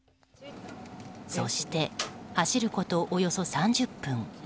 そして、走ることおよそ３０分。